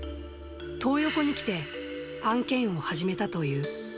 トー横に来て案件を始めたという。